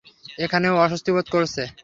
এখানে ও অস্বস্তিবোধ করছে।